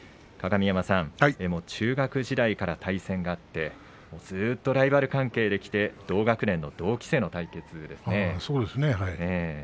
鏡山さん、中学時代から対戦があってずっとライバル関係できて同学年の同期生の対決ですね。